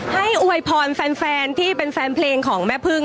อวยพรแฟนที่เป็นแฟนเพลงของแม่พึ่ง